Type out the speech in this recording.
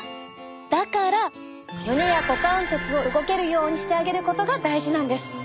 だから胸や股関節を動けるようにしてあげることが大事なんです。